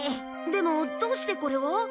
でもどうしてこれを？